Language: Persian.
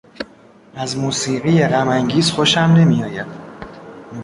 از موسیقی غمانگیز خوشم نمیآید.